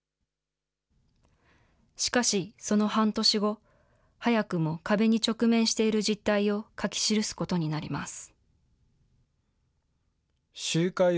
しかし、その半年後、早くも壁に直面している実態を書き記すことになります。